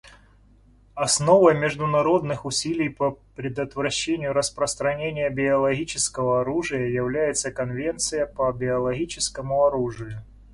Основой международных усилий по предотвращению распространения биологического оружия является Конвенция по биологическому оружию.